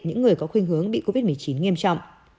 những người có khuyên hướng bị covid một mươi chín nghiêm trọng